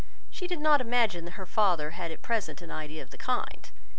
She did not imagine that her father had at present an idea of the kind.